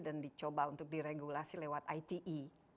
dan dicoba untuk diregulasi lewat ite